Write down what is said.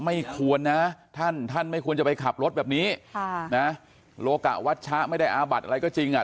ไม่ควรนะท่านท่านไม่ควรจะไปขับรถแบบนี้ค่ะนะโลกะวัชชะไม่ได้อาบัดอะไรก็จริงอ่ะ